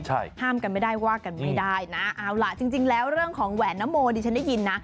ใช่ห้ามกันไม่ได้ว่ากันไม่ได้นะเอาล่ะจริงจริงแล้วเรื่องของแหวนนโมดิฉันได้ยินนะ